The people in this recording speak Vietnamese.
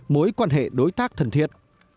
mối quan hệ đối tác thân thiệt